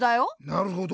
なるほど。